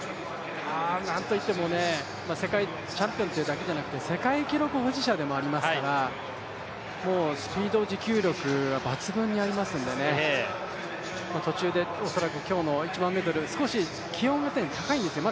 何といっても、世界チャンピオンというだけでなくて世界記録保持者でもありますからもうスピード、持久力抜群にありますから途中で恐らく今日の１００００ｍ、少し気温が高いんですよね。